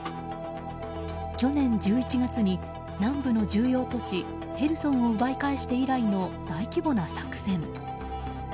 去年１１月に南部の重要都市ヘルソンを奪い返して以来の大規模な作戦。